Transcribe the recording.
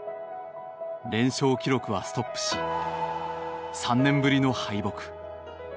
連勝記録はストップし３年ぶりの敗北。